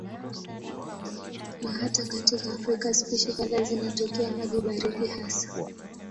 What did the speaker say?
Na hata katika Afrika spishi kadhaa zinatokea maji baridi hasa.